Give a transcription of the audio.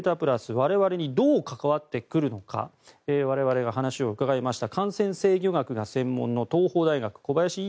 我々にどう関わってくるのか我々が話を伺いました感染制御学が専門の東邦大学、小林寅